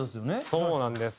そうなんです。